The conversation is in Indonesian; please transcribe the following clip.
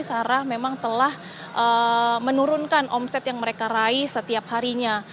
sarah memang telah menurunkan omset yang mereka raih setiap harinya